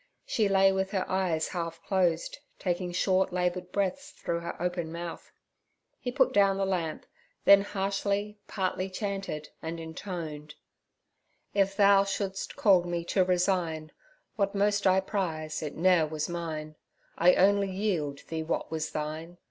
She lay with her eyes half closed, taking short laboured breaths through her open mouth. He put down the lamp, then harshly partly chanted and intoned— 'If Thou shouldst call me to resign What most I prize, it ne'er was mine; I only yield Thee what was Thine.